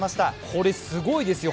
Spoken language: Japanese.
これすごいですよ。